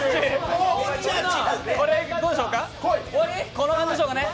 この辺でしょうかね。